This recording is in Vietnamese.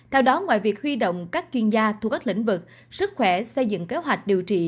theo đó ngoài việc huy động các chuyên gia thu các lĩnh vực sức khỏe xây dựng kế hoạch điều trị